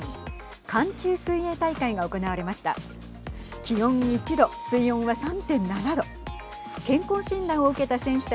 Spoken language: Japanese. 寒中水泳大会が行われました。